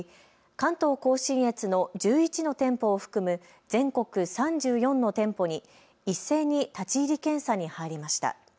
関東甲信越の１１の店舗を含む全国３４の店舗に一斉に立ち入り検査に入りました。